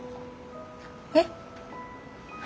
えっ？